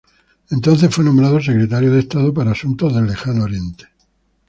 Entonces fue nombrado Secretario de Estado para asuntos del Lejano Oriente.